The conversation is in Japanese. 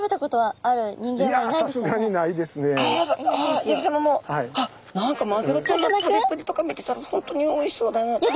あ八木さまも。何かマグロちゃんの食べっぷりとか見てたら本当においしそうだなと。